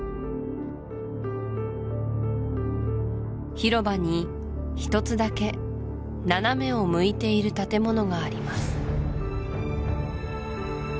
広場にひとつだけ斜めを向いている建物があります